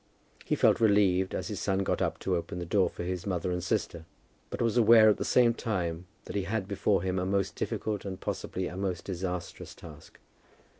He felt relieved as his son got up to open the door for his mother and sister, but was aware at the same time that he had before him a most difficult and possibly a most disastrous task.